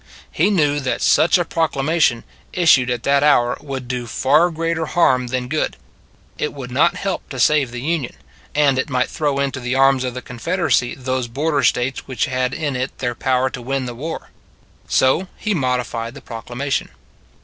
He knew that such a procla mation, issued at that hour, would do far greater harm than good. It would not help to save the Union; and it might throw Be Sure You re Right 89 into the arms of the Confederacy those border States which had it in their power to win the war. So he modified the proclamation.